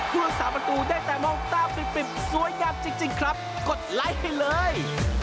ผู้รักษาประตูได้แต่มองตาปริบสวยงามจริงครับกดไลค์ให้เลย